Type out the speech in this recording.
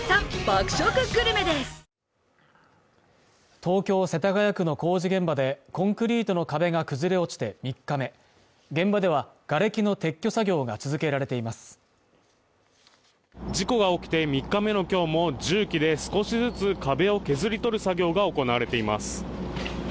東京世田谷区の工事現場でコンクリートの壁が崩れ落ちて３日目現場ではがれきの撤去作業が続けられています事故が起きて３日目の今日も重機で少しずつ壁を削り取る作業が行われています